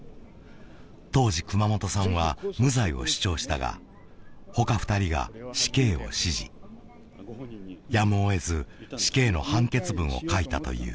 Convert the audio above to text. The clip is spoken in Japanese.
当時熊本さんは無罪を主張したが他二人が死刑を支持やむを得ず死刑の判決文を書いたという